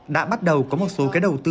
đã bắt đầu có một số cái đầu tư